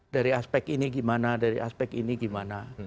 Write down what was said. dari aspek ini gimana dari aspek ini gimana